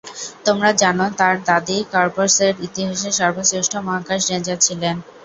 তোমরা জানো, তার দাদী কর্পসের ইতিহাসে সর্বশ্রেষ্ঠ মহাকাশ রেঞ্জার ছিলেন?